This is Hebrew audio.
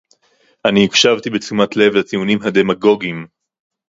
אני הקשבתי בתשומת לב לטיעונים הדמגוגיים